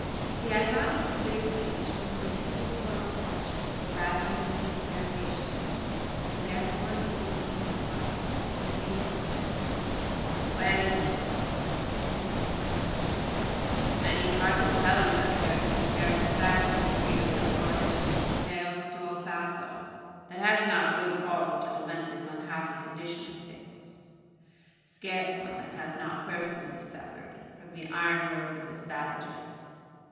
The ironically bitter speech was intended for a reflection, rather than an interrogation, and therefore needed no reply. I made none. "Puez, amigo!" continued the Mexican, "I need hardly tell you that there is scarce a family on the Rio del Norte from Taos to El Paso that has not good cause to lament this unhappy condition of things; scarce one that has not personally suffered, from the inroads of the savages.